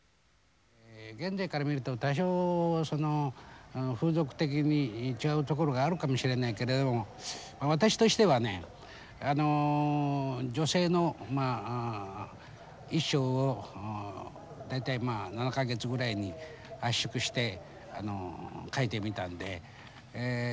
現代から見ると多少その風俗的に違う所があるかもしれないけれども私としてはね女性の一生を大体７か月ぐらいに圧縮して書いてみたんで。